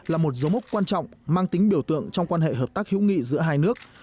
là một dấu mốc quan trọng mang tính biểu tượng trong quan hệ hợp tác hữu nghị giữa hai nước